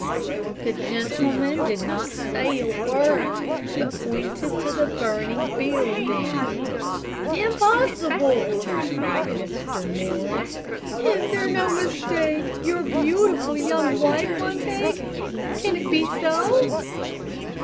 The gentleman did not say a word, but pointed to the burning building. "Impossible!" cried Mr. Morris. "Is there no mistake? Your beautiful young wife, Montague. Can it be so?"